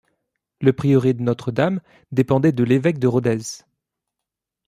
Le prieuré de Notre-Dame dépendait de l’évêque de Rodez.